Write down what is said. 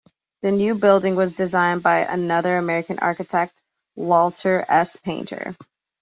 The new building was designed by another American architect, Walter S. Painter.